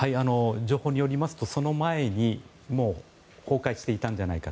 情報によりますとその前に崩壊していたんじゃないか。